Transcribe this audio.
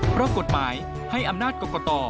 เพราะกฎหมายให้อำนาจกรกต